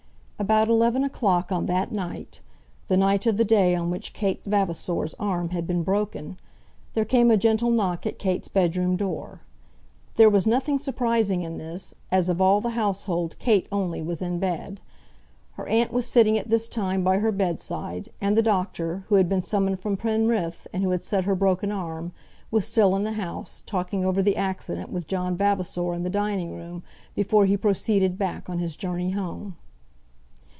About eleven o'clock on that night, the night of the day on which Kate Vavasor's arm had been broken, there came a gentle knock at Kate's bedroom door. There was nothing surprising in this, as of all the household Kate only was in bed. Her aunt was sitting at this time by her bedside, and the doctor, who had been summoned from Penrith and who had set her broken arm, was still in the house, talking over the accident with John Vavasor in the dining room, before he proceeded back on his journey home.